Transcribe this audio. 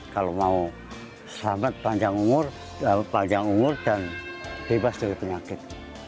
kalau mau selamat panjang umur dan bebas dari penyakit